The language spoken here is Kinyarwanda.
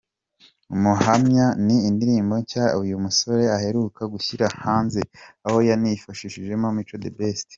'Ubuhamya' ni indirimbo nshya uyu musore aheruka gushyira hanze, aho yanifashishijemo Mico The Best.